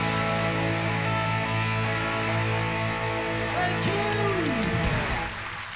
センキュー！